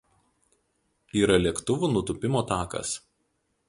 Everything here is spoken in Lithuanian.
Yra lėktuvų nutūpimo takas.